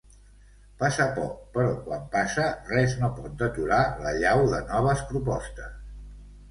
Passa poc, però quan passa res no pot deturar l'allau de noves propostes.